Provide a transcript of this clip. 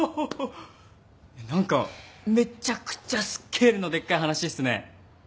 えっ何かめちゃくちゃスケールのでっかい話っすね。